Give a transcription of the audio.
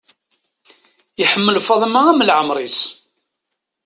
Iḥemmel Faḍma am leɛmer-is.